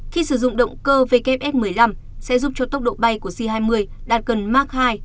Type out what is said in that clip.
khi sử dụng động cơ vks một mươi năm sẽ giúp cho tốc độ bay của z hai mươi đạt gần mach hai